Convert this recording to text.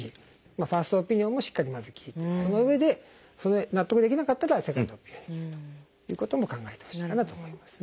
ファーストオピニオンをしっかりまず聞いてそのうえでそれで納得できなかったらセカンドオピニオンで聞くということも考えてほしいかなと思いますね。